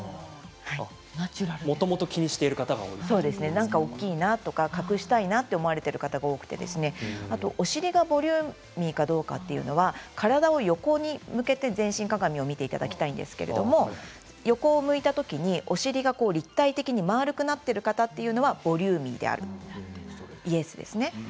なんか大きいな隠したいなと思っている方が多くてあとお尻がボリューミーかどうかは体を横に向けて全身鏡を見ていただきたいんですけれど横を見たときにお尻が立体的に丸くなっている方っていうのはボリューミーであるイエスですね。